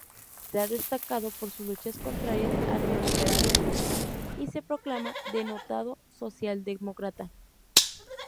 Se ha destacado por sus luchas contrarias al neoliberalismo y se proclama denotado socialdemócrata.